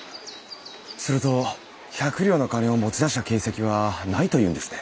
すると百両の金を持ち出した形跡はないと言うんですね？